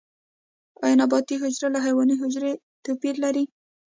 ایا نباتي حجره له حیواني حجرې توپیر لري؟